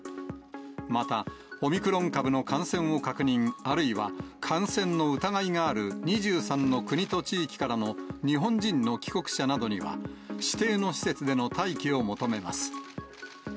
また、オミクロン株の感染を確認、あるいは感染の疑いがある２３の国と地域からの日本人の帰国者などには、指定の施設での待機を求めます。